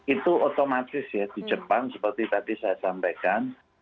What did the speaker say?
itu otomatis ya di jepang seperti tadi saya sampaikan